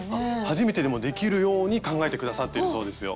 初めてでもできるように考えて下さってるそうですよ。